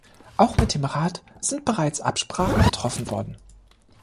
Auch mit dem Rat sind bereits Absprachen getroffen worden.